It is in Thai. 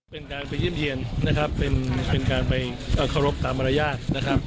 เป็นการไปเยี่ยมเยี่ยนนะครับเป็นการไปเคารพตามมารยาทนะครับ